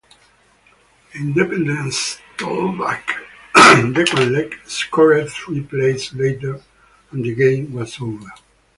Independence tailback Dequan Leak scored three plays later and the game was over.